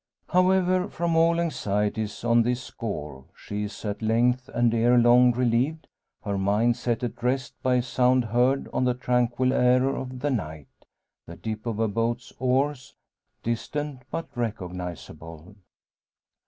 However, from all anxieties on this score she is at length and ere long relieved; her mind set at rest by a sound heard on the tranquil air of the night, the dip of a boat's oars, distant but recognisable.